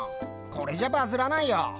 これじゃバズらないよ？